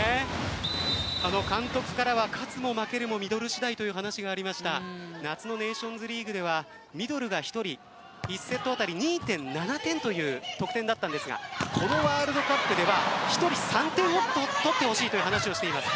監督からは勝つも負けるもミドル次第という話がありましたが夏のネーションズリーグではミドルが１人１セット当たり２．７点という得点だったんですがこのワールドカップでは１人３点取ってほしいと話をしています。